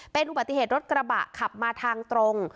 เป็นอุบัติเหตุรถกระบะขับมาทางตรง